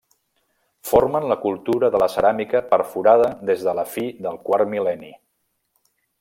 Formen la cultura de la ceràmica perforada des de la fi del quart mil·lenni.